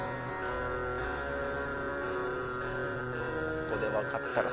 ここで分かったら